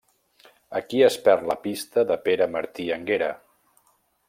Aquí es perd la pista de Pere Martí Anguera.